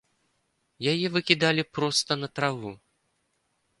Яе выкідалі проста на траву.